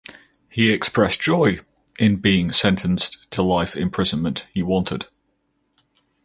He expressed joy in being sentenced to life imprisonment he wanted.